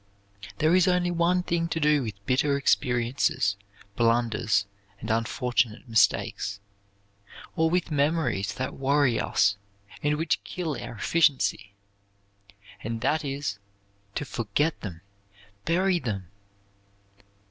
There is only one thing to do with bitter experiences, blunders and unfortunate mistakes, or with memories that worry us and which kill our efficiency, and that is to forget them, bury them!